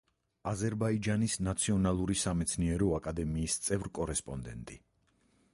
აზერბაიჯანის ნაციონალური სამეცნიერო აკადემიის წევრ-კორესპონდენტი.